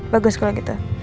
bagus kalau gitu